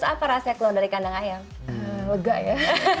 apa rasanya keluar dari kandang ayam lega ya